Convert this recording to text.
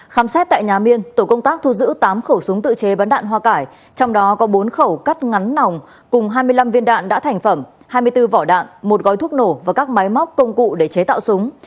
khám xét tại nhà miên tổ công tác thu giữ tám khẩu súng tự chế bắn đạn hoa cải trong đó có bốn khẩu cắt ngắn nòng cùng hai mươi năm viên đạn đã thành phẩm hai mươi bốn vỏ đạn một gói thuốc nổ và các máy móc công cụ để chế tạo súng